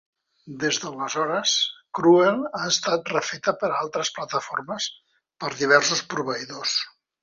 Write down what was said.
Des d'aleshores, Cruel ha estat refeta per a altres plataformes per diversos proveïdors.